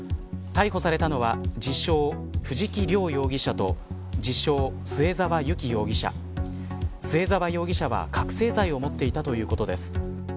逮捕されたのは自称藤木涼容疑者と自称、末沢有希容疑者末沢容疑者は覚せい剤を持っていたということです。